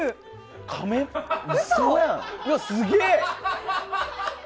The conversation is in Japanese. うわ、すげえ！